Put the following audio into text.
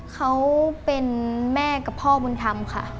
เขาเป็นแม่กับพ่อบุญธรรมค่ะ